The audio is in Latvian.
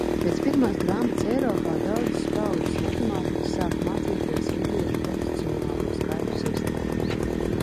Pēc pirmās grāmatas Eiropā daudzas paaudzes matemātiķi sāka mācīties indiešu pozicionālo skaitļu sistēmas.